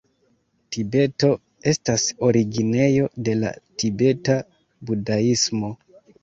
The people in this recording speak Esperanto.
Tibeto estas originejo de la tibeta budaismo.